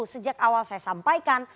sejak awal saya sampaikan